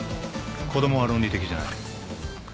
子供は論理的じゃない。